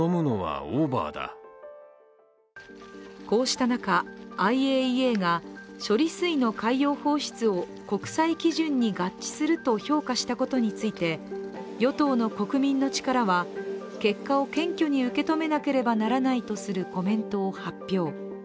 こうした中、ＩＡＥＡが処理水の海洋放出を国際基準に合致すると評価したことについて与党の国民の力は、結果を検挙に受け止めなければならないとするコメントを発表。